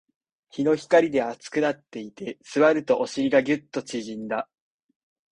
日の光で熱くなっていて、座るとお尻がギュッと縮んだ